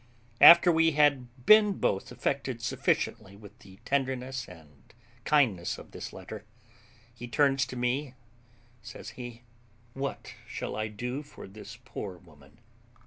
After we had been both affected sufficiently with the tenderness and kindness of this letter, he turns to me; says he, "What shall I do for this poor woman?"